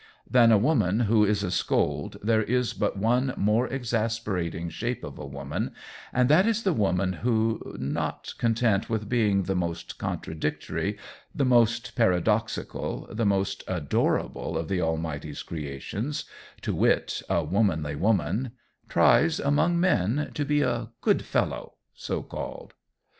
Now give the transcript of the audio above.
Than a woman who is a scold there is but one more exasperating shape of a woman and that is the woman who, not content with being the most contradictory, the most paradoxical, the most adorable of the Almighty's creations to wit, a womanly woman tries, among men, to be a good fellow, so called.